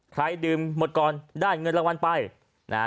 ใครดื่มหมดก่อนได้เงินรางวัลไปณหน้าเวทีใครกินหมดก่อนก็ชนะไป